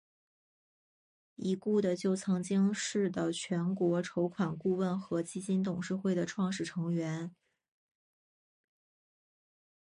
已故的就曾经是的全国筹款顾问和基金董事会的创始成员。